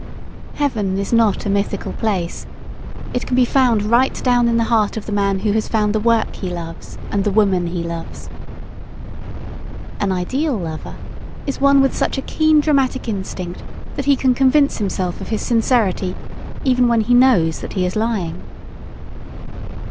Heaven is not a mythical place. It can be found right down in the heart of the man who has found the work he loves and the woman he loves. An ideal lover is one with such a keen dramatic instinct that he can convince himself of his sincerity even when he knows that he is lying.